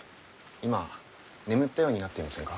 今眠ったようになっていませんか？